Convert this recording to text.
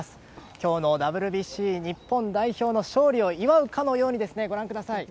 今日のＷＢＣ日本代表の勝利を祝うかのようにご覧ください。